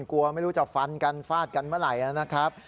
กลัวไม่รู้จะฟันกันฟาดกันเมื่อไหร่นะครับ